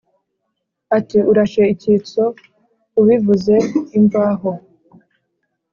Ati: "Urashe icyitso ubivuze imvaho!